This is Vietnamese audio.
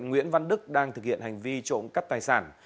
nguyễn văn đức đang thực hiện hành vi trộm cắp tài sản